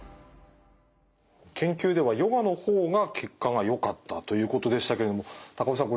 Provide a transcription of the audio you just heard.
研究ではヨガの方が結果がよかったということでしたけども高尾さん